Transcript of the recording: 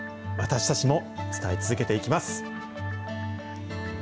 私たちも伝え続けていきます。